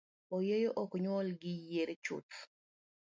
Oyieyo ok nyuol gi yire chuth.